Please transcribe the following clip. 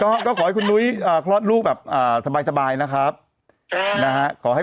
อ่ะนี่ใบใบใบ